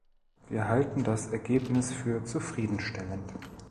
Wir halten das Ergebnis für zufriedenstellend.